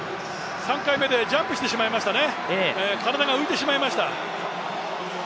３回目でジャンプしてしまいましたね、体が浮いてしまいました。